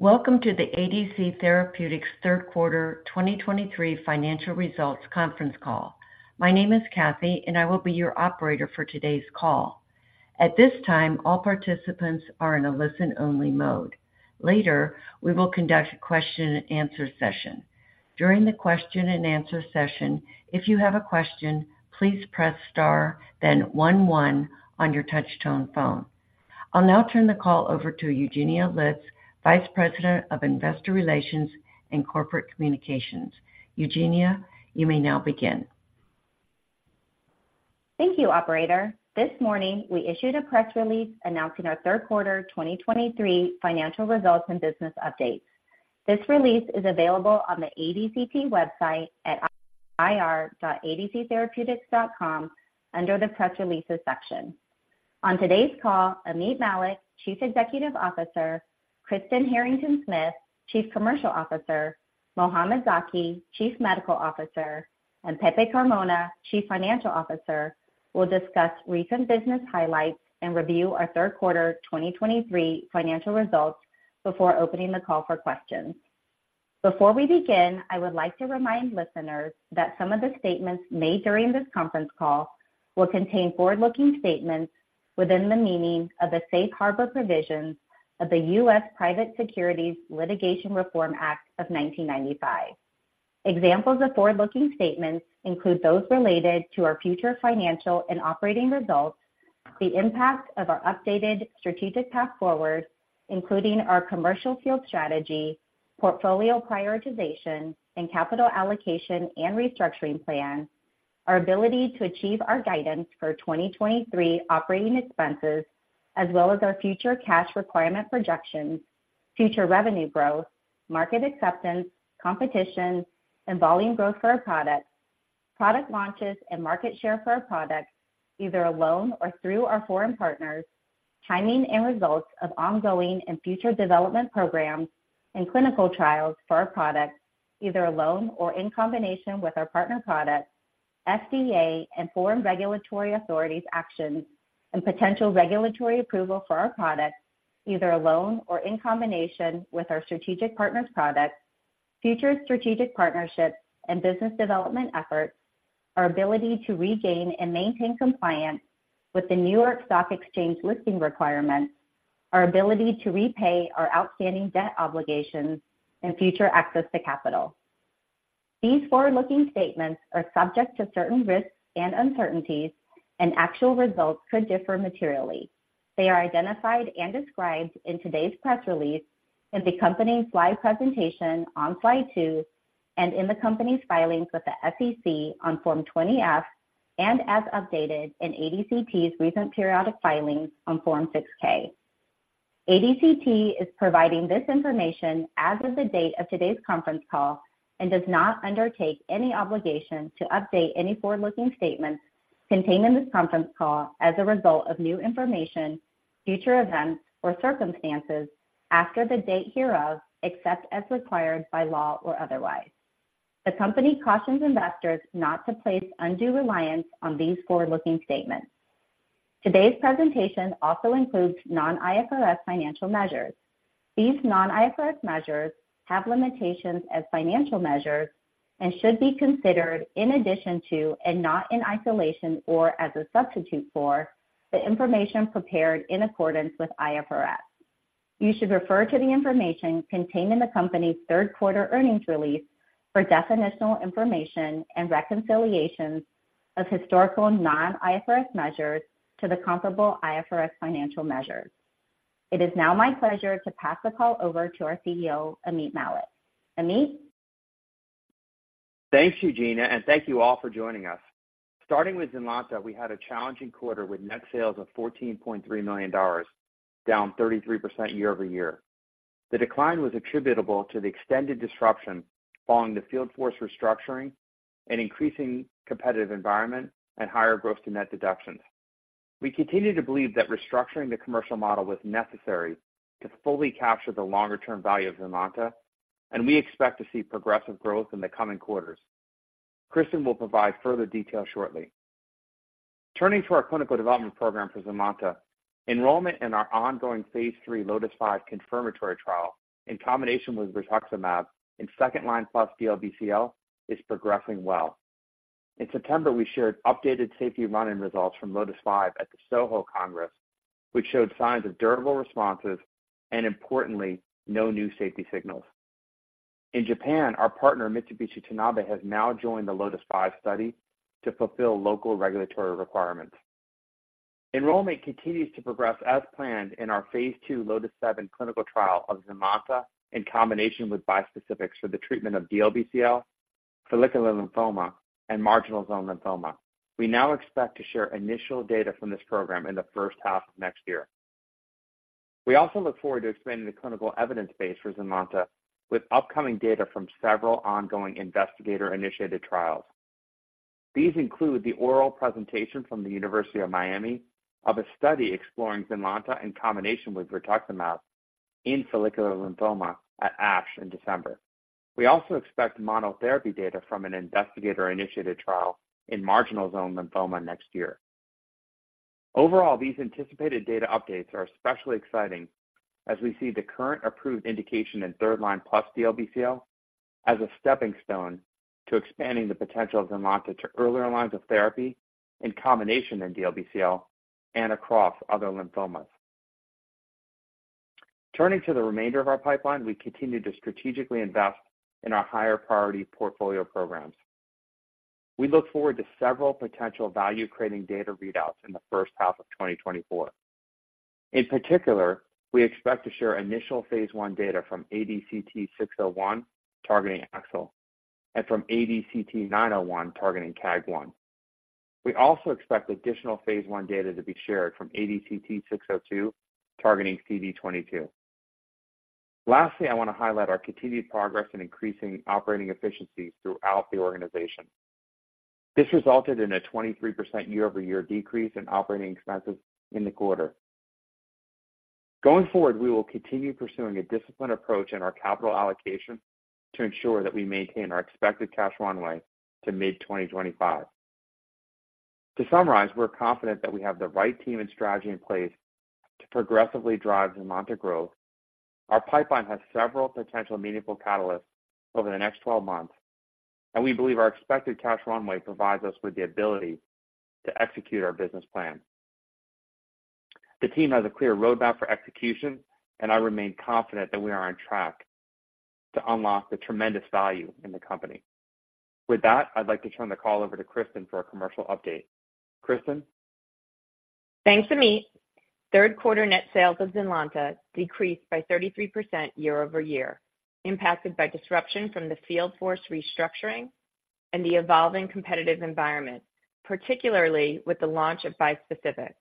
Welcome to the ADC Therapeutics third quarter 2023 financial results conference call. My name is Kathy, and I will be your operator for today's call. At this time, all participants are in a listen-only mode. Later, we will conduct a question and answer session. During the question and answer session, if you have a question, please press star, then one, one on your touchtone phone. I'll now turn the call over to Eugenia Litz, Vice President of Investor Relations and Corporate Communications. Eugenia, you may now begin. Thank you, operator. This morning, we issued a press release announcing our third quarter 2023 financial results and business updates. This release is available on the ADCT website at ir.adctherapeutics.com under the Press Releases section. On today's call, Ameet Mallik, Chief Executive Officer, Kristen Harrington-Smith, Chief Commercial Officer, Mohamed Zaki, Chief Medical Officer, and Pepe Carmona, Chief Financial Officer, will discuss recent business highlights and review our third quarter 2023 financial results before opening the call for questions. Before we begin, I would like to remind listeners that some of the statements made during this conference call will contain forward-looking statements within the meaning of the Safe Harbor Provisions of the U.S. Private Securities Litigation Reform Act of 1995. Examples of forward-looking statements include those related to our future financial and operating results, the impact of our updated strategic path forward, including our commercial field strategy, portfolio prioritization, and capital allocation and restructuring plan, our ability to achieve our guidance for 2023 operating expenses, as well as our future cash requirement projections, future revenue growth, market acceptance, competition, and volume growth for our products, product launches and market share for our products, either alone or through our foreign partners, timing and results of ongoing and future development programs and clinical trials for our products, either alone or in combination with our partner products, FDA and foreign regulatory authorities' actions and potential regulatory approval for our products, either alone or in combination with our strategic partners' products, future strategic partnerships and business development efforts, our ability to regain and maintain compliance with the New York Stock Exchange listing requirements, our ability to repay our outstanding debt obligations, and future access to capital. These forward-looking statements are subject to certain risks and uncertainties, and actual results could differ materially. They are identified and described in today's press release, in the company's live presentation on Slide 2, and in the company's filings with the SEC on Form 20-F and as updated in ADCT's recent periodic filings on Form 6-K. ADCT is providing this information as of the date of today's conference call and does not undertake any obligation to update any forward-looking statements contained in this conference call as a result of new information, future events, or circumstances after the date hereof, except as required by law or otherwise. The company cautions investors not to place undue reliance on these forward-looking statements. Today's presentation also includes non-IFRS financial measures. These non-IFRS measures have limitations as financial measures and should be considered in addition to, and not in isolation or as a substitute for, the information prepared in accordance with IFRS. You should refer to the information contained in the company's third-quarter earnings release for definitional information and reconciliations of historical non-IFRS measures to the comparable IFRS financial measures. It is now my pleasure to pass the call over to our CEO, Ameet Mallik. Ameet? Thanks, Eugenia, and thank you all for joining us. Starting with ZYNLONTA, we had a challenging quarter with net sales of $14.3 million, down 33% year-over-year. The decline was attributable to the extended disruption following the field force restructuring and increasing competitive environment and higher gross-to-net deductions. We continue to believe that restructuring the commercial model was necessary to fully capture the longer-term value of ZYNLONTA, and we expect to see progressive growth in the coming quarters. Kristen will provide further details shortly. Turning to our clinical development program for ZYNLONTA, enrollment in our ongoing Phase 3 LOTIS-5 confirmatory trial in combination with rituximab in second-line plus DLBCL is progressing well. In September, we shared updated safety run-in results from LOTIS-5 at the SOHO Congress, which showed signs of durable responses and importantly, no new safety signals. In Japan, our partner, Mitsubishi Tanabe, has now joined the LOTIS-5 study to fulfill local regulatory requirements. Enrollment continues to progress as planned in our Phase 2 LOTIS-7 clinical trial of ZYNLONTA in combination with bispecifics for the treatment of DLBCL, follicular lymphoma, and marginal zone lymphoma. We now expect to share initial data from this program in the first half of next year. We also look forward to expanding the clinical evidence base for ZYNLONTA with upcoming data from several ongoing investigator-initiated trials. These include the oral presentation from the University of Miami of a study exploring ZYNLONTA in combination with rituximab in follicular lymphoma at ASH in December. We also expect monotherapy data from an investigator-initiated trial in marginal zone lymphoma next year.... Overall, these anticipated data updates are especially exciting as we see the current approved indication in third line plus DLBCL as a stepping stone to expanding the potential of ZYNLONTA to earlier lines of therapy, in combination in DLBCL, and across other lymphomas. Turning to the remainder of our pipeline, we continue to strategically invest in our higher priority portfolio programs. We look forward to several potential value-creating data readouts in the first half of 2024. In particular, we expect to share initial Phase 1 data from ADCT-601, targeting AXL, and from ADCT-901, targeting KAAG1. We also expect additional Phase 1 data to be shared from ADCT-602, targeting CD22. Lastly, I want to highlight our continued progress in increasing operating efficiencies throughout the organization. This resulted in a 23% year-over-year decrease in operating expenses in the quarter. Going forward, we will continue pursuing a disciplined approach in our capital allocation to ensure that we maintain our expected cash runway to mid-2025. To summarize, we're confident that we have the right team and strategy in place to progressively drive ZYNLONTA growth. Our pipeline has several potential meaningful catalysts over the next 12 months, and we believe our expected cash runway provides us with the ability to execute our business plan. The team has a clear roadmap for execution, and I remain confident that we are on track to unlock the tremendous value in the company. With that, I'd like to turn the call over to Kristen for a commercial update. Kristen? Thanks, Ameet. Third quarter net sales of ZYNLONTA decreased by 33% year-over-year, impacted by disruption from the field force restructuring and the evolving competitive environment, particularly with the launch of bispecifics.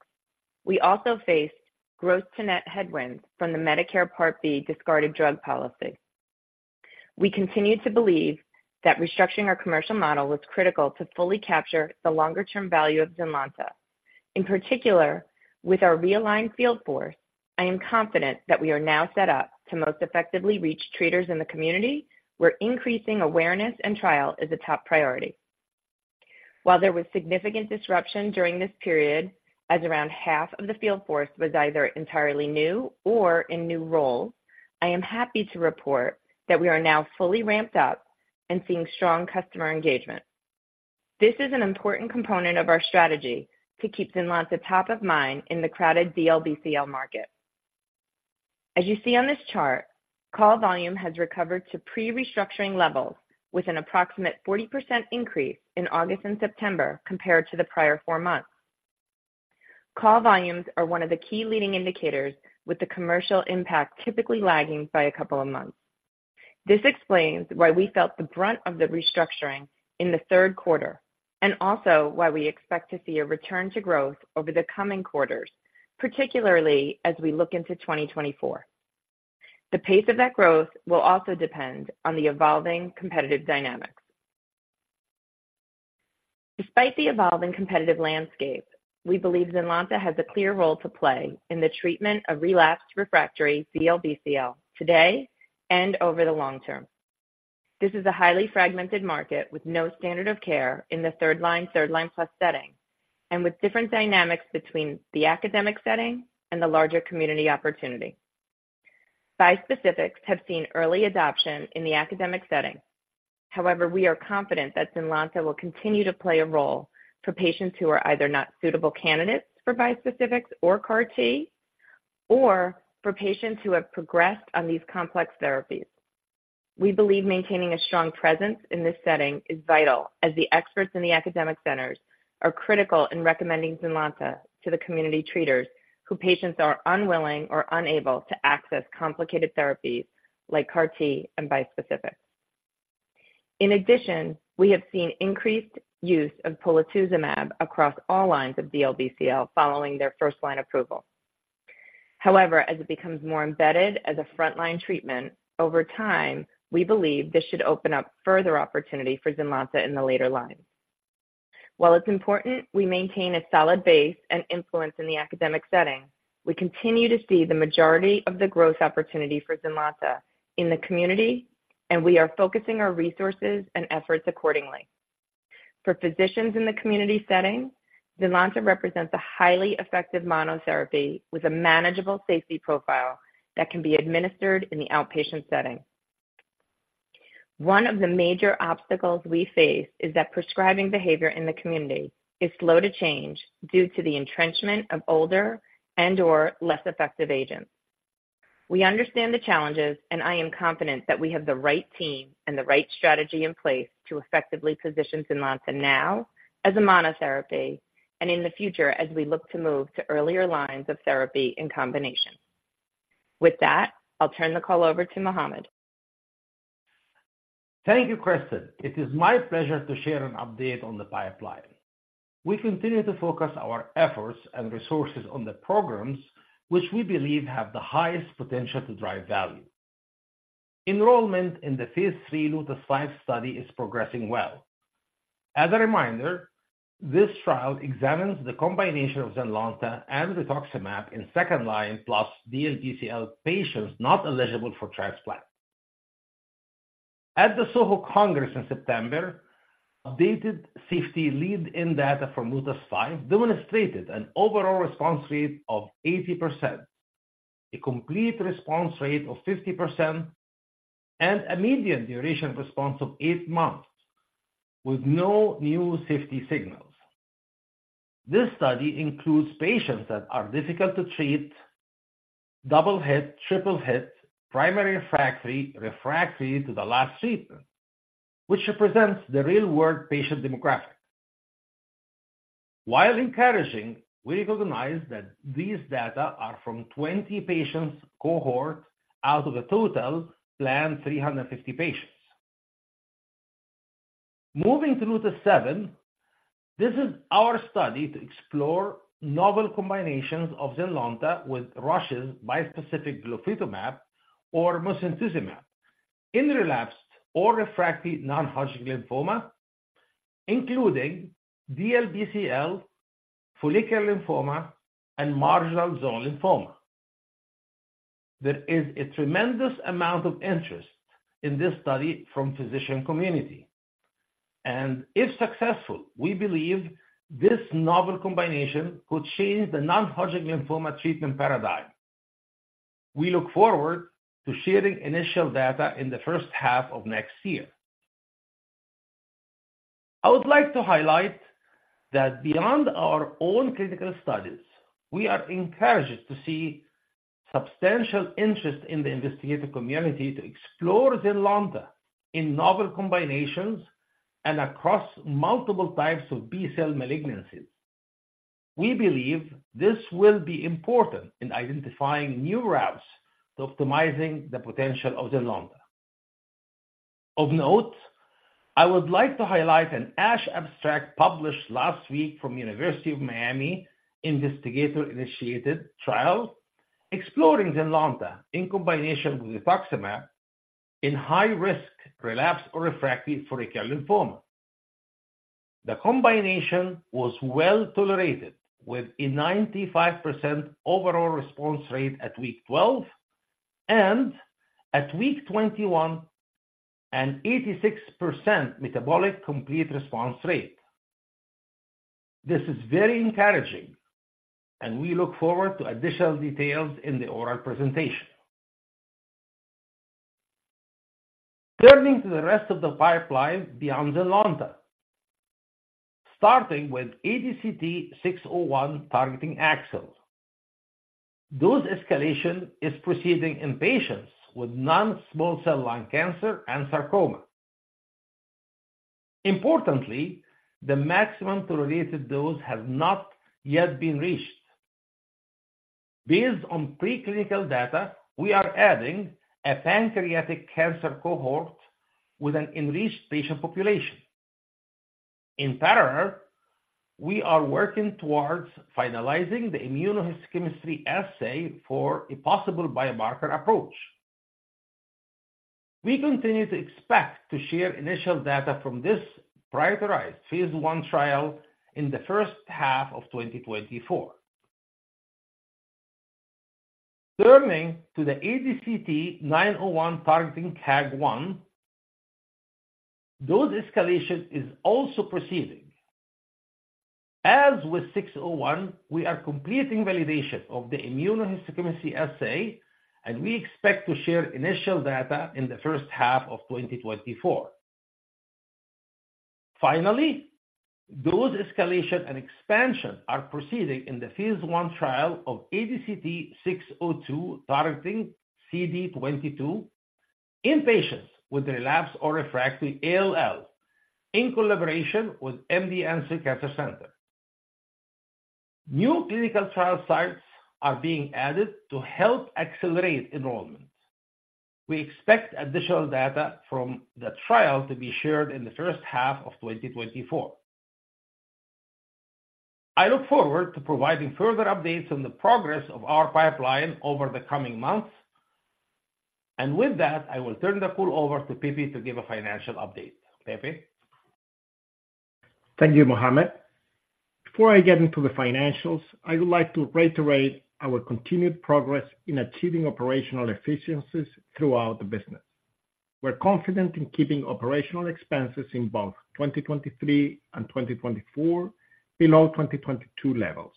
We also faced gross-to-net headwinds from the Medicare Part B discarded drug policy. We continue to believe that restructuring our commercial model was critical to fully capture the longer-term value of ZYNLONTA. In particular, with our realigned field force, I am confident that we are now set up to most effectively reach treaters in the community, where increasing awareness and trial is a top priority. While there was significant disruption during this period, as around half of the field force was either entirely new or in new roles, I am happy to report that we are now fully ramped up and seeing strong customer engagement. This is an important component of our strategy to keep ZYNLONTA top of mind in the crowded DLBCL market. As you see on this chart, call volume has recovered to pre-restructuring levels, with an approximate 40% increase in August and September compared to the prior 4 months. Call volumes are one of the key leading indicators, with the commercial impact typically lagging by a couple of months. This explains why we felt the brunt of the restructuring in the third quarter, and also why we expect to see a return to growth over the coming quarters, particularly as we look into 2024. The pace of that growth will also depend on the evolving competitive dynamics. Despite the evolving competitive landscape, we believe ZYNLONTA has a clear role to play in the treatment of relapsed refractory DLBCL today and over the long term. This is a highly fragmented market with no standard of care in the third line, third line-plus setting, and with different dynamics between the academic setting and the larger community opportunity. Bispecifics have seen early adoption in the academic setting. However, we are confident that ZYNLONTA will continue to play a role for patients who are either not suitable candidates for bispecifics or CAR T, or for patients who have progressed on these complex therapies. We believe maintaining a strong presence in this setting is vital, as the experts in the academic centers are critical in recommending ZYNLONTA to the community treaters, who patients are unwilling or unable to access complicated therapies like CAR T and bispecifics. In addition, we have seen increased use of polatuzumab across all lines of DLBCL following their first-line approval. However, as it becomes more embedded as a frontline treatment over time, we believe this should open up further opportunity for ZYNLONTA in the later lines. While it's important we maintain a solid base and influence in the academic setting, we continue to see the majority of the growth opportunity for ZYNLONTA in the community, and we are focusing our resources and efforts accordingly. For physicians in the community setting, ZYNLONTA represents a highly effective monotherapy with a manageable safety profile that can be administered in the outpatient setting. One of the major obstacles we face is that prescribing behavior in the community is slow to change due to the entrenchment of older and/or less effective agents. We understand the challenges, and I am confident that we have the right team and the right strategy in place to effectively position ZYNLONTA now as a monotherapy, and in the future, as we look to move to earlier lines of therapy in combination. With that, I'll turn the call over to Mohamed. Thank you, Kristen. It is my pleasure to share an update on the pipeline. We continue to focus our efforts and resources on the programs which we believe have the highest potential to drive value. Enrollment in the Phase 3 LOTIS-5 study is progressing well. As a reminder, this trial examines the combination of ZYNLONTA and rituximab in second-line plus DLBCL patients not eligible for transplant.... At the SOHO Congress in September, updated safety lead-in data from LOTIS-5 demonstrated an overall response rate of 80%, a complete response rate of 50%, and a median duration response of 8 months, with no new safety signals. This study includes patients that are difficult to treat, double hit, triple hit, primary refractory, refractory to the last treatment, which represents the real-world patient demographic. While encouraging, we recognize that these data are from 20 patients cohort out of the total planned 350 patients. Moving to LOTIS-7, this is our study to explore novel combinations of ZYNLONTA with Roche's bispecific glofitamab or mosunetuzumab in relapsed or refractory non-Hodgkin lymphoma, including DLBCL, follicular lymphoma, and marginal zone lymphoma. There is a tremendous amount of interest in this study from physician community, and if successful, we believe this novel combination could change the non-Hodgkin lymphoma treatment paradigm. We look forward to sharing initial data in the first half of next year. I would like to highlight that beyond our own clinical studies, we are encouraged to see substantial interest in the investigator community to explore ZYNLONTA in novel combinations and across multiple types of B-cell malignancies. We believe this will be important in identifying new routes to optimizing the potential of ZYNLONTA. Of note, I would like to highlight an ASH abstract published last week from University of Miami Investigator-Initiated Trial, exploring ZYNLONTA in combination with rituximab in high-risk relapsed or refractory follicular lymphoma. The combination was well-tolerated, with a 95% overall response rate at week 12, and at week 21, an 86% metabolic complete response rate. This is very encouraging, and we look forward to additional details in the oral presentation. Turning to the rest of the pipeline beyond ZYNLONTA, starting with ADCT-601 targeting AXL. Dose escalation is proceeding in patients with non-small cell lung cancer and sarcoma. Importantly, the maximum tolerated dose has not yet been reached. Based on preclinical data, we are adding a pancreatic cancer cohort with an enriched patient population. In parallel, we are working towards finalizing the immunohistochemistry assay for a possible biomarker approach. We continue to expect to share initial data from this prioritized Phase 1 trial in the first half of 2024. Turning to the ADCT-901 targeting KAAG1, dose escalation is also proceeding. As with 601, we are completing validation of the immunohistochemistry assay, and we expect to share initial data in the first half of 2024. Finally, dose escalation and expansion are proceeding in the Phase 1 trial of ADCT-602, targeting CD22 in patients with relapsed or refractory ALL, in collaboration with MD Anderson Cancer Center. New clinical trial sites are being added to help accelerate enrollment. We expect additional data from the trial to be shared in the first half of 2024. I look forward to providing further updates on the progress of our pipeline over the coming months, and with that, I will turn the call over to Pepe to give a financial update. Pepe? Thank you, Mohamed. Before I get into the financials, I would like to reiterate our continued progress in achieving operational efficiencies throughout the business. We're confident in keeping operational expenses in both 2023 and 2024 below 2022 levels.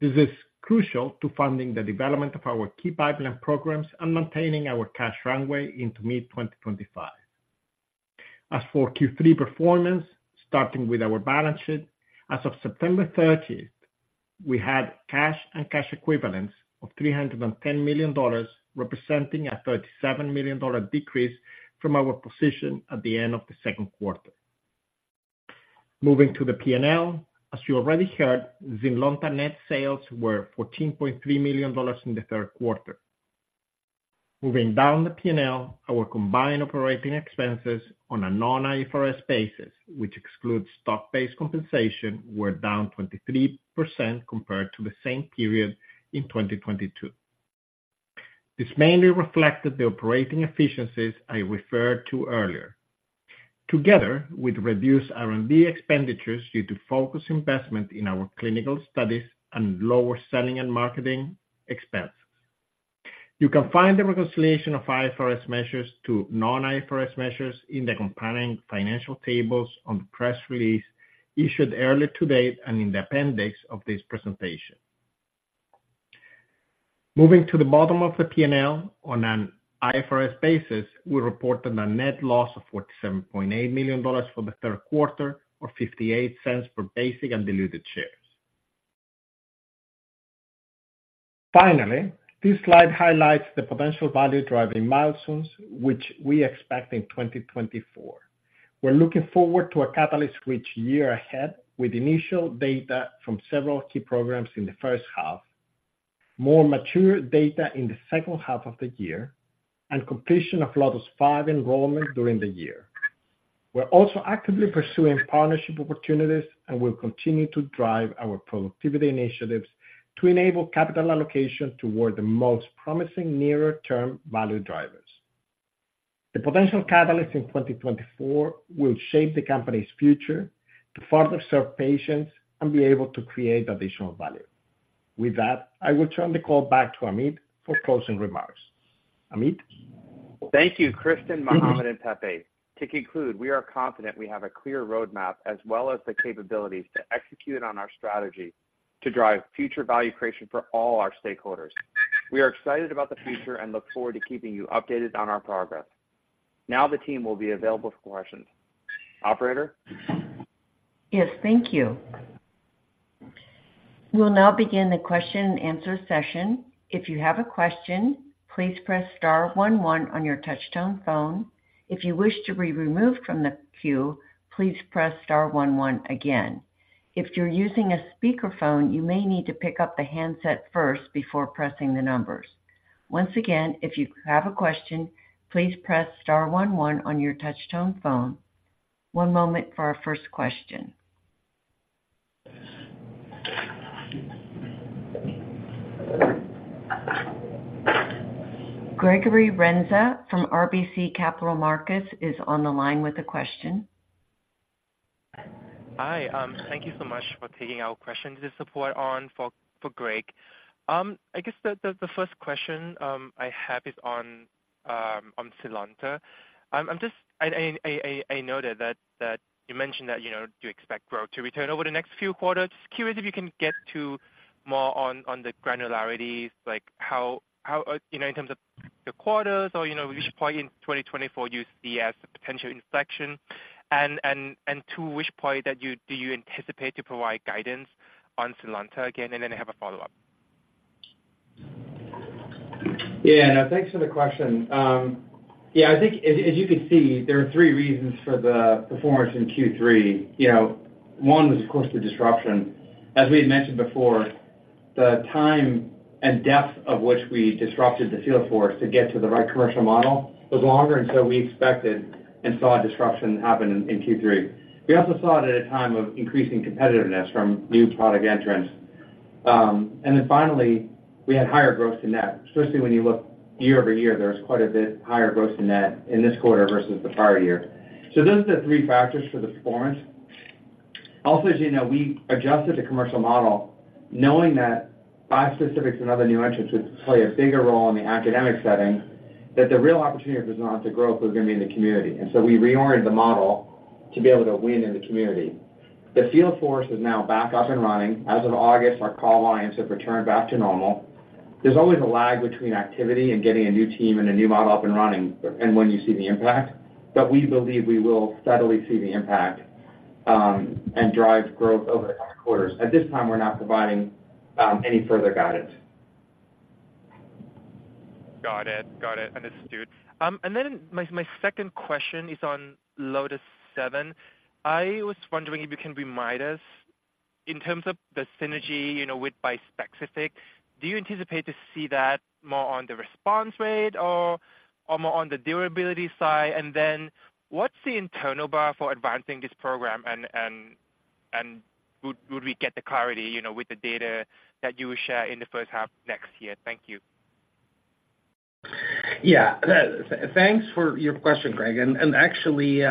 This is crucial to funding the development of our key pipeline programs and maintaining our cash runway into mid-2025. As for Q3 performance, starting with our balance sheet. As of September 30, we had cash and cash equivalents of $310 million, representing a $37 million decrease from our position at the end of the second quarter. Moving to the P&L, as you already heard, ZYNLONTA net sales were $14.3 million in the third quarter. Moving down the P&L, our combined operating expenses on a non-IFRS basis, which excludes stock-based compensation, were down 23% compared to the same period in 2022. This mainly reflected the operating efficiencies I referred to earlier. ... together with reduced R&D expenditures due to focused investment in our clinical studies and lower selling and marketing expenses. You can find the reconciliation of IFRS measures to non-IFRS measures in the companion financial tables on the press release issued earlier today and in the appendix of this presentation. Moving to the bottom of the P&L, on an IFRS basis, we reported a net loss of $47.8 million for the third quarter, or $0.58 per basic and diluted shares. Finally, this slide highlights the potential value-driving milestones, which we expect in 2024. We're looking forward to a catalyst-rich year ahead, with initial data from several key programs in the first half, more mature data in the second half of the year, and completion of LOTIS-5 enrollment during the year. We're also actively pursuing partnership opportunities, and we'll continue to drive our productivity initiatives to enable capital allocation toward the most promising nearer-term value drivers. The potential catalyst in 2024 will shape the company's future to further serve patients and be able to create additional value. With that, I will turn the call back to Ameet for closing remarks. Ameet? Thank you, Kristen, Mohamed, and Pepe. To conclude, we are confident we have a clear roadmap as well as the capabilities to execute on our strategy to drive future value creation for all our stakeholders. We are excited about the future and look forward to keeping you updated on our progress. Now, the team will be available for questions. Operator? Yes, thank you. We'll now begin the question and answer session. If you have a question, please press star one one on your touchtone phone. If you wish to be removed from the queue, please press star one one again. If you're using a speakerphone, you may need to pick up the handset first before pressing the numbers. Once again, if you have a question, please press star one one on your touchtone phone. One moment for our first question. Gregory Renza from RBC Capital Markets is on the line with a question. Hi, thank you so much for taking our questions. This is Supriya for Greg. I guess the first question I have is on ZYNLONTA. I'm just I noted that you mentioned that, you know, you expect growth to return over the next few quarters. Just curious if you can get to more on the granularities, like how, you know, in terms of the quarters or, you know, which point in 2024 you see as the potential inflection? And to which point do you anticipate to provide guidance on ZYNLONTA again? And then I have a follow-up. Yeah, thanks for the question. Yeah, I think as you can see, there are three reasons for the performance in Q3. You know, one was, of course, the disruption. As we had mentioned before, the time and depth of which we disrupted the field force to get to the right commercial model was longer than so we expected and saw a disruption happen in Q3. We also saw it at a time of increasing competitiveness from new product entrants. And then finally, we had higher gross to net, especially when you look year-over-year, there's quite a bit higher gross to net in this quarter versus the prior year. So those are the three factors for the performance. Also, as you know, we adjusted the commercial model knowing that bispecifics and other new entrants would play a bigger role in the academic setting, that the real opportunity for ZYNLONTA growth was gonna be in the community. And so we reoriented the model to be able to win in the community. The field force is now back up and running. As of August, our call lines have returned back to normal. There's always a lag between activity and getting a new team and a new model up and running, and when you see the impact, but we believe we will steadily see the impact, and drive growth over the coming quarters. At this time, we're not providing, any further guidance. Got it. Got it. Understood. And then my second question is on LOTIS-7. I was wondering if you can remind us, in terms of the synergy, you know, with bispecific, do you anticipate to see that more on the response rate or more on the durability side? And then what's the internal bar for advancing this program, and would we get the clarity, you know, with the data that you will share in the first half next year? Thank you. Yeah. Thanks for your question, Greg. And actually,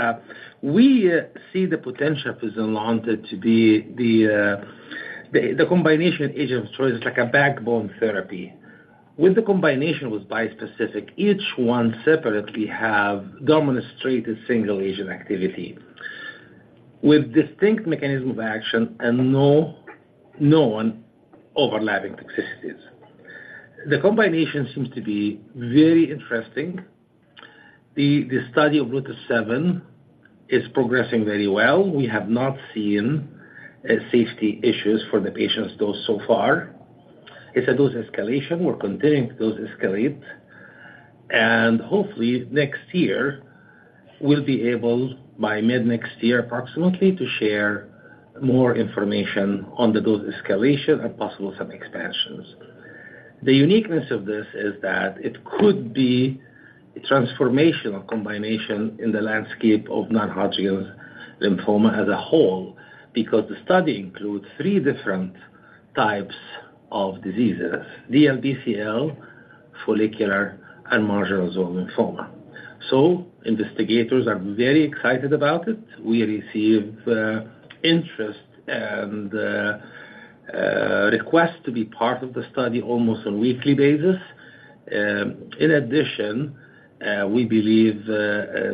we see the potential for ZYNLONTA to be the combination agent of choice. It's like a backbone therapy. With the combination with bispecific, each one separately have demonstrated single-agent activity with distinct mechanism of action and no known overlapping toxicities. The combination seems to be very interesting. The study of LOTIS-7 is progressing very well. We have not seen safety issues for the patients dosed so far. It's a dose escalation. We're continuing to dose escalate, and hopefully next year, we'll be able, by mid-next year, approximately, to share more information on the dose escalation and possibly some expansions. The uniqueness of this is that it could be a transformational combination in the landscape of non-Hodgkin lymphoma as a whole, because the study includes three different types of diseases: DLBCL-... follicular and marginal zone lymphoma. So investigators are very excited about it. We receive interest and request to be part of the study almost on a weekly basis. In addition, we believe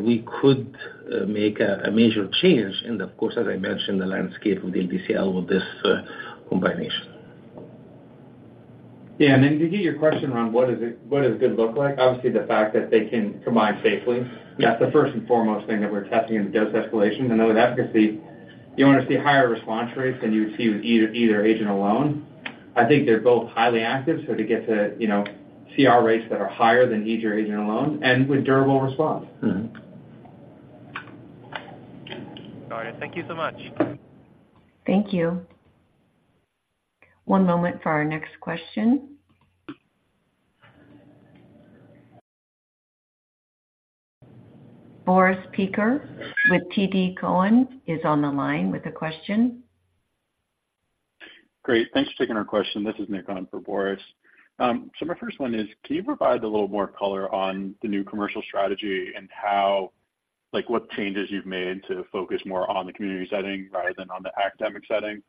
we could make a major change in, of course, as I mentioned, the landscape of the DLBCL with this combination. Yeah, and then to get your question around what is it, what does good look like? Obviously, the fact that they can combine safely, that's the first and foremost thing that we're testing in the dose escalation. And then with efficacy, you want to see higher response rates than you would see with either, either agent alone. I think they're both highly active, so to get to, you know, CR rates that are higher than either agent alone and with durable response. Mm-hmm. Got it. Thank you so much. Thank you. One moment for our next question. Boris Peaker with TD Cowen is on the line with a question. Great. Thanks for taking our question. This is Nick on for Boris. So my first one is, can you provide a little more color on the new commercial strategy and how... Like, what changes you've made to focus more on the community setting rather than on the academic setting?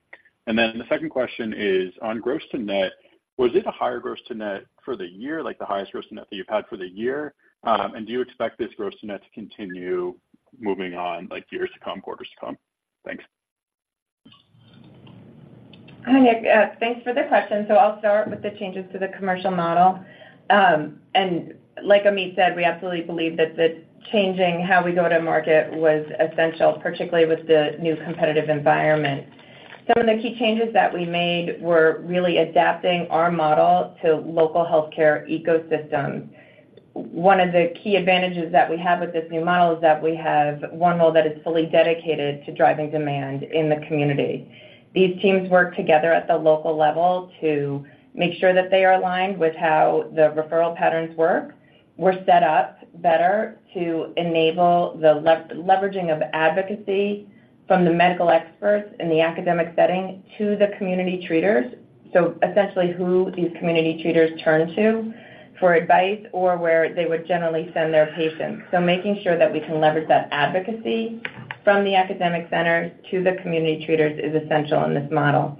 And then the second question is on gross to net, was it a higher gross to net for the year, like the highest gross to net that you've had for the year? And do you expect this gross to net to continue moving on, like, years to come, quarters to come? Thanks. Hi, Nick, thanks for the question. So I'll start with the changes to the commercial model. And like Amit said, we absolutely believe that the changing how we go to market was essential, particularly with the new competitive environment. Some of the key changes that we made were really adapting our model to local healthcare ecosystems. One of the key advantages that we have with this new model is that we have one role that is fully dedicated to driving demand in the community. These teams work together at the local level to make sure that they are aligned with how the referral patterns work. We're set up better to enable the leveraging of advocacy from the medical experts in the academic setting to the community treaters, so essentially who these community treaters turn to for advice or where they would generally send their patients. So making sure that we can leverage that advocacy from the academic centers to the community treaters is essential in this model.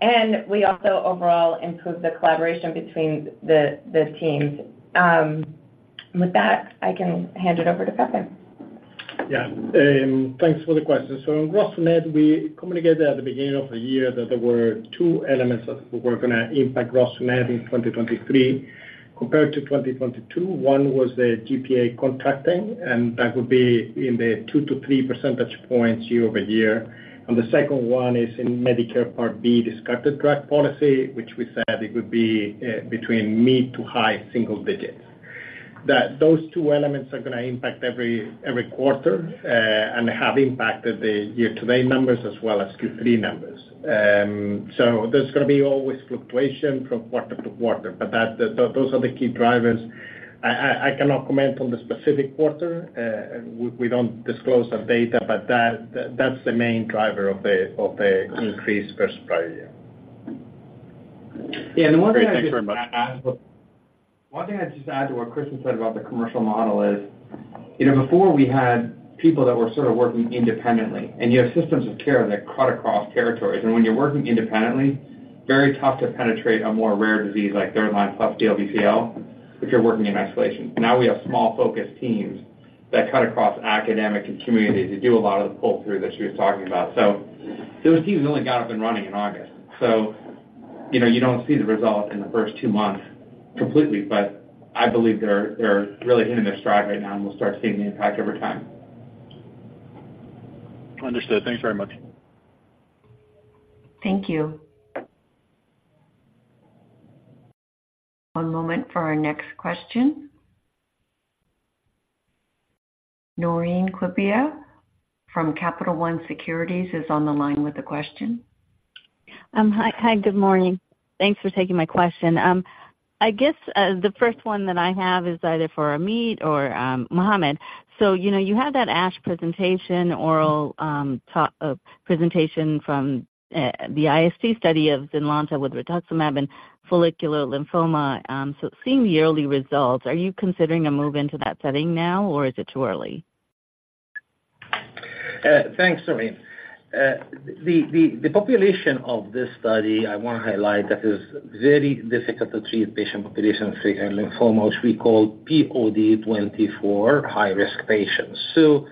And we also overall improved the collaboration between the teams. With that, I can hand it over to Pepe. Yeah, thanks for the question. So on gross to net, we communicated at the beginning of the year that there were two elements that were gonna impact gross to net in 2023. Compared to 2022, one was the GPO contracting, and that would be in the 2-3 percentage points year-over-year. And the second one is in Medicare Part B, discarded drug policy, which we said it would be between mid- to high single digits. Those two elements are gonna impact every quarter and have impacted the year-to-date numbers as well as Q3 numbers. So there's gonna be always fluctuation from quarter to quarter, but those are the key drivers. I cannot comment on the specific quarter. We don't disclose that data, but that's the main driver of the increased gross per year. Yeah, and the one thing I just- Great. Thanks very much. One thing I'd just add to what Kristen said about the commercial model is, you know, before we had people that were sort of working independently, and you have systems of care that cut across territories. And when you're working independently, very tough to penetrate a more rare disease like third line plus DLBCL, if you're working in isolation. Now we have small focused teams that cut across academic and community to do a lot of the pull-through that she was talking about. So those teams only got up and running in August. So, you know, you don't see the results in the first two months completely, but I believe they're really hitting their stride right now, and we'll start seeing the impact over time. Understood. Thanks very much. Thank you. One moment for our next question. Naureen Quibria from Capital One Securities is on the line with a question. Hi, good morning. Thanks for taking my question. I guess the first one that I have is either for Ameet or Mohamed. So, you know, you had that ASH oral presentation from the IIT study of ZYNLONTA with rituximab and follicular lymphoma. So seeing the early results, are you considering a move into that setting now, or is it too early? Thanks, Naureen. The population of this study, I want to highlight, that is very difficult to treat patient population with lymphoma, which we call POD24 high-risk patients. So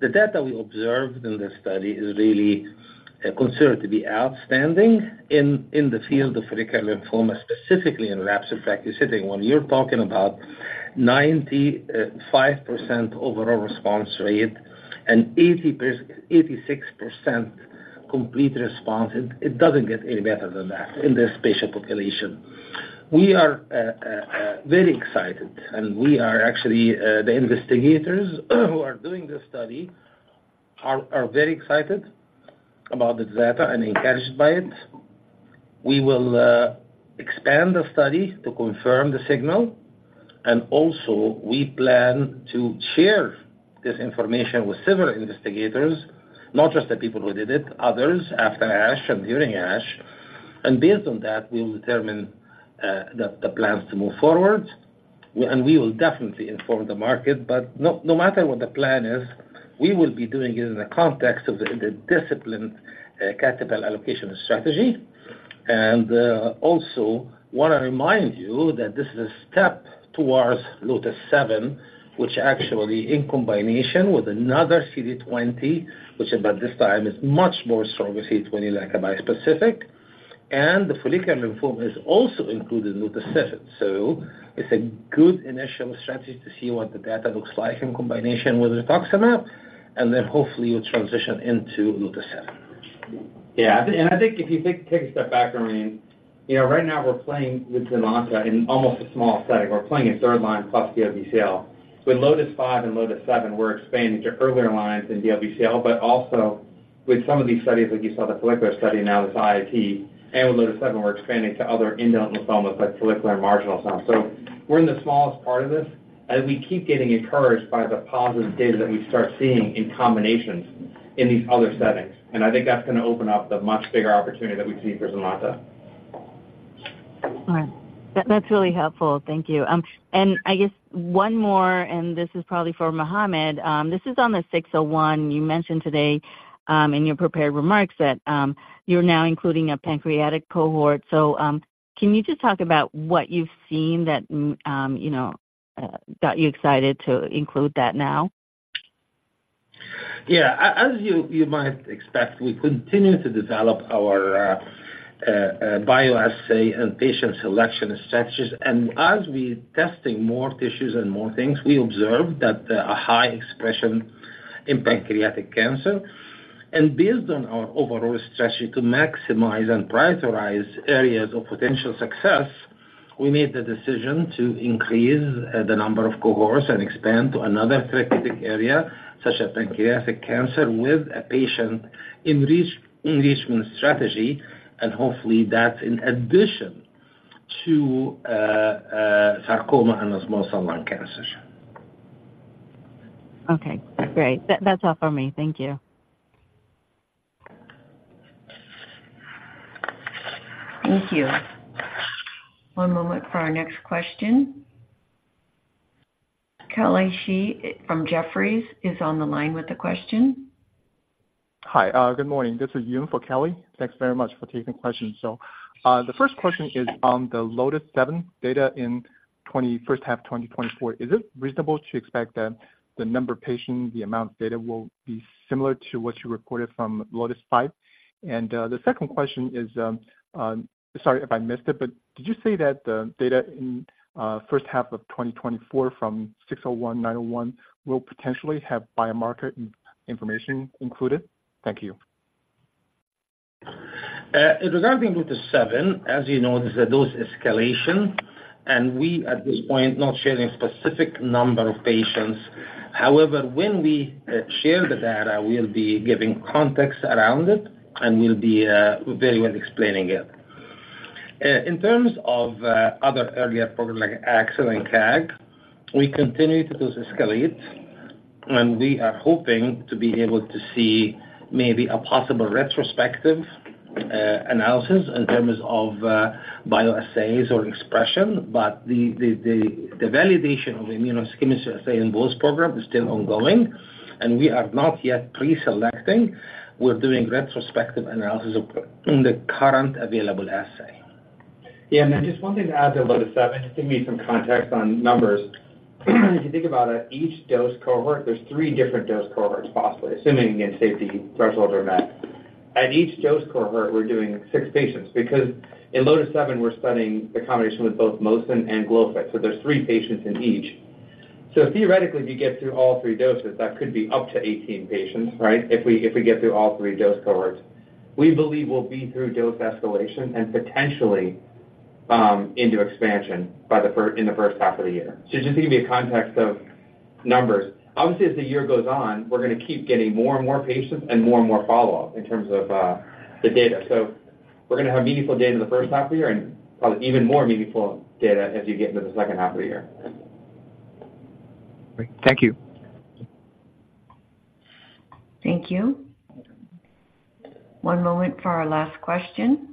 the data we observed in this study is really considered to be outstanding in the field of follicular lymphoma, specifically in relapsed refractory setting. When you're talking about 95% overall response rate and 86% complete response, it doesn't get any better than that in this patient population. We are very excited, and we are actually the investigators who are doing this study are very excited about this data and encouraged by it. We will expand the study to confirm the signal. And also, we plan to share this information with several investigators, not just the people who did it, others, after ASH and during ASH. And based on that, we will determine the plans to move forward. And we will definitely inform the market, but no, no matter what the plan is, we will be doing it in the context of the disciplined capital allocation strategy. And also, want to remind you that this is a step towards LOTIS-7, which actually in combination with another CD20, which but this time is much more stronger CD20-like bispecific, and the follicular form is also included in LOTIS-7. So it's a good initial strategy to see what the data looks like in combination with rituximab, and then hopefully you'll transition into LOTIS-7. Yeah. I think if you take a step back, Naureen, you know, right now we're playing with ZYNLONTA in almost a small setting. We're playing in third line plus DLBCL. With LOTIS-5 and LOTIS-7, we're expanding to earlier lines in DLBCL, but also with some of these studies, like you saw the follicular study, now this IIT, and with LOTIS-7, we're expanding to other indolent lymphomas, like follicular marginal lymphomas. So we're in the smallest part of this, and we keep getting encouraged by the positive data that we start seeing in combinations in these other settings. And I think that's gonna open up the much bigger opportunity that we see for ZYNLONTA. All right. That's really helpful. Thank you. And I guess one more, and this is probably for Mohamed. This is on the 601. You mentioned today in your prepared remarks that you're now including a pancreatic cohort. So, can you just talk about what you've seen that you know got you excited to include that now? Yeah. As you might expect, we continue to develop our bioassay and patient selection strategies. As we testing more tissues and more things, we observe that a high expression in pancreatic cancer. Based on our overall strategy to maximize and prioritize areas of potential success, we made the decision to increase the number of cohorts and expand to another therapeutic area, such as pancreatic cancer, with a patient engagement strategy, and hopefully that's in addition to sarcoma and most lung cancers. Okay, great. That's all for me. Thank you. Thank you. One moment for our next question. Kelly Shi from Jefferies is on the line with a question. Hi, good morning. This is Yun for Kelly. Thanks very much for taking questions. So, the first question is on the LOTIS-7 data in the first half 2024. Is it reasonable to expect that the number of patients, the amount of data, will be similar to what you reported from LOTIS-5? And, the second question is, sorry if I missed it, but did you say that the data in, first half of 2024 from ADCT-601, ADCT-901, will potentially have biomarker information included? Thank you. Regarding LOTIS-7, as you know, this is a dose escalation, and we, at this point, not sharing specific number of patients. However, when we share the data, we'll be giving context around it, and we'll be very well explaining it. In terms of other earlier programs like AXL and KAAG1, we continue to dose escalate, and we are hoping to be able to see maybe a possible retrospective analysis in terms of bioassays or expression. But the validation of the immunohistochemistry assay in both programs is still ongoing, and we are not yet preselecting. We're doing retrospective analysis of the current available assay. Yeah, and then just one thing to add to LOTIS-7, just give you some context on numbers. If you think about it, each dose cohort, there's 3 different dose cohorts, possibly, assuming again, safety thresholds are met. At each dose cohort, we're doing 6 patients, because in LOTIS-7, we're studying the combination with both mosunetuzumab and glofitamab. So there's 3 patients in each. So theoretically, if you get through all 3 doses, that could be up to 18 patients, right? If we, if we get through all 3 dose cohorts. We believe we'll be through dose escalation and potentially into expansion by the first- in the first half of the year. So just give you a context of numbers. Obviously, as the year goes on, we're gonna keep getting more and more patients and more and more follow-up in terms of the data. We're gonna have meaningful data in the first half of the year and probably even more meaningful data as you get into the second half of the year. Great. Thank you. Thank you. One moment for our last question.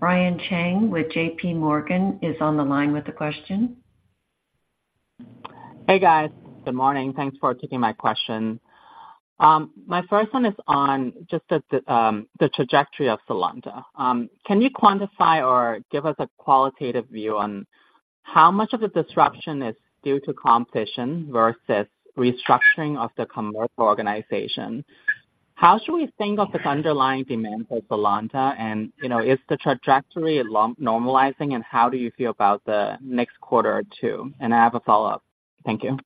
Brian Cheng with JPMorgan is on the line with a question. Hey, guys. Good morning. Thanks for taking my question. My first one is on just the trajectory of ZYNLONTA. Can you quantify or give us a qualitative view on how much of the disruption is due to competition versus restructuring of the commercial organization? How should we think of the underlying demand for ZYNLONTA? And, you know, is the trajectory normalizing, and how do you feel about the next quarter or two? And I have a follow-up. Thank you.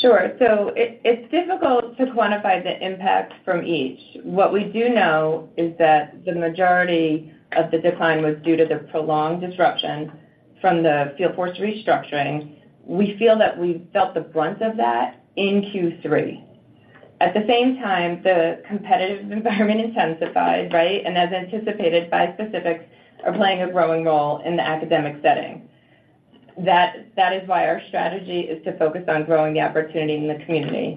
Sure. So it's difficult to quantify the impact from each. What we do know is that the majority of the decline was due to the prolonged disruption from the field force restructuring. We feel that we've felt the brunt of that in Q3. At the same time, the competitive environment intensified, right? And as anticipated, bispecifics are playing a growing role in the academic setting. That is why our strategy is to focus on growing the opportunity in the community.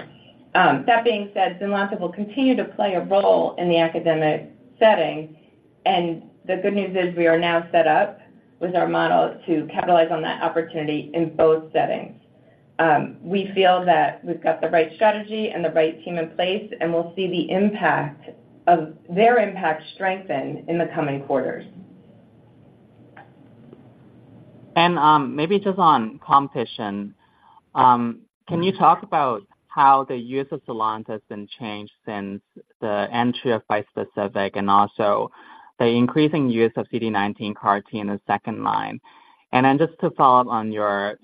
That being said, ZYNLONTA will continue to play a role in the academic setting, and the good news is we are now set up with our model to capitalize on that opportunity in both settings. We feel that we've got the right strategy and the right team in place, and we'll see the impact of their impact strengthen in the coming quarters. Maybe just on competition, can you talk about how the use of ZYNLONTA has been changed since the entry of bispecific and also the increasing use of CD19 CAR T in the second line? Then just to follow up on your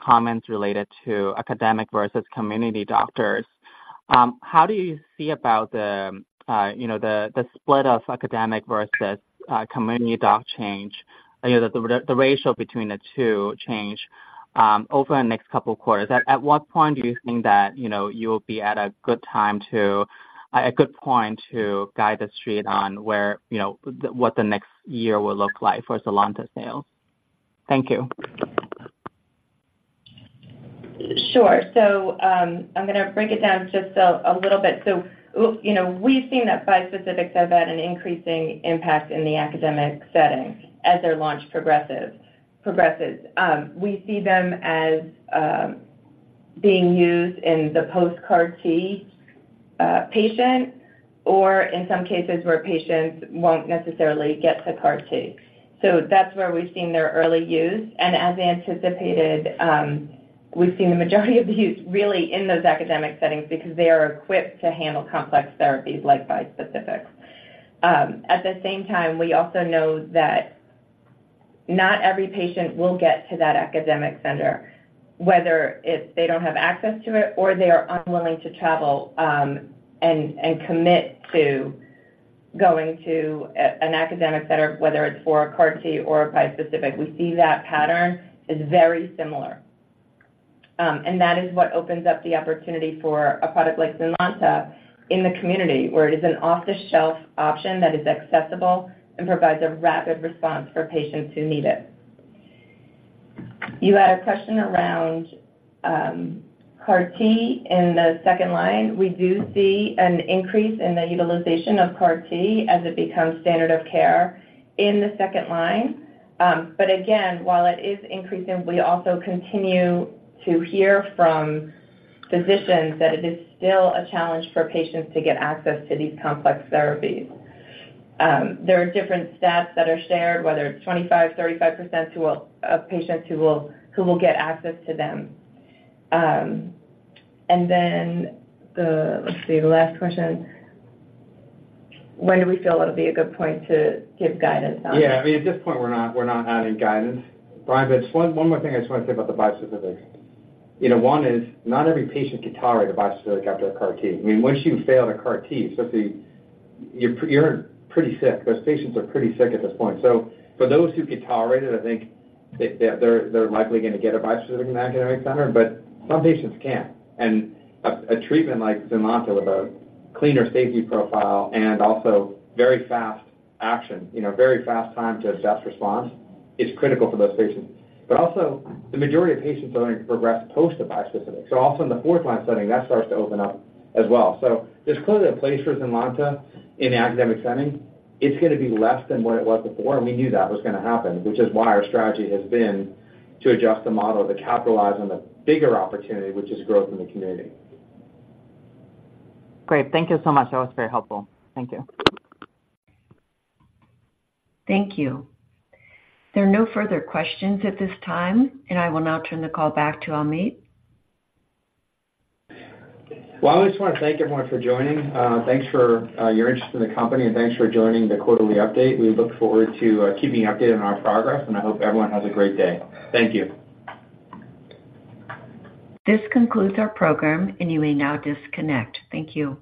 comments related to academic versus community doctors, how do you see about the, you know, the split of academic versus community doc change, you know, the ratio between the two change over the next couple of quarters? At what point do you think that, you know, you'll be at a good time to a good point to guide the street on where, you know, the what the next year will look like for ZYNLONTA sales? Thank you. Sure. So, I'm gonna break it down just a little bit. So, you know, we've seen that bispecifics have had an increasing impact in the academic setting as their launch progresses. We see them as being used in the post-CAR T patient, or in some cases, where patients won't necessarily get to CAR T. So that's where we've seen their early use. And as anticipated, we've seen the majority of the use really in those academic settings because they are equipped to handle complex therapies like bispecifics. At the same time, we also know that not every patient will get to that academic center, whether it's they don't have access to it or they are unwilling to travel and commit to going to an academic center, whether it's for a CAR T or a bispecific. We see that pattern is very similar. And that is what opens up the opportunity for a product like ZYNLONTA in the community, where it is an off-the-shelf option that is accessible and provides a rapid response for patients who need it. You had a question around CAR T in the second line. We do see an increase in the utilization of CAR T as it becomes standard of care in the second line. But again, while it is increasing, we also continue to hear from physicians that it is still a challenge for patients to get access to these complex therapies. There are different stats that are shared, whether it's 25, 35% of patients who will get access to them. And then the... Let's see, the last question. When do we feel it'll be a good point to give guidance on it? Yeah, I mean, at this point, we're not, we're not adding guidance, Brian. But one, one more thing I just wanna say about the bispecifics. You know, one is not every patient can tolerate a bispecific after a CAR T. I mean, once you fail a CAR T, so you see, you're pretty sick. Those patients are pretty sick at this point. So for those who can tolerate it, I think they're likely gonna get a bispecific in academic center, but some patients can't. And a treatment like ZYNLONTA, with a cleaner safety profile and also very fast action, you know, very fast time to adjust response, is critical for those patients. But also, the majority of patients are going to progress post a bispecific. So also in the fourth line setting, that starts to open up as well. So there's clearly a place for ZYNLONTA in the academic setting. It's gonna be less than what it was before, and we knew that was gonna happen, which is why our strategy has been to adjust the model to capitalize on the bigger opportunity, which is growth in the community. Great. Thank you so much. That was very helpful. Thank you. Thank you. There are no further questions at this time, and I will now turn the call back to Ameet. Well, I just wanna thank everyone for joining. Thanks for your interest in the company, and thanks for joining the quarterly update. We look forward to keeping you updated on our progress, and I hope everyone has a great day. Thank you. This concludes our program, and you may now disconnect. Thank you.